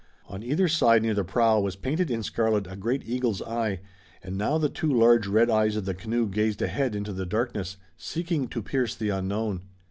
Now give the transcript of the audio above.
On either side near the prow was painted in scarlet a great eagle's eye, and now the two large red eyes of the canoe gazed ahead into the darkness, seeking to pierce the unknown.